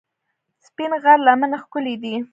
سپین غر لمنې ښکلې دي؟